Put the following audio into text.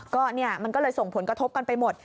ใช่ไหมก็เลยส่งผลกระทบกันไปหมด